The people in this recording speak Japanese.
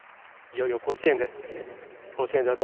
いよいよ甲子園です。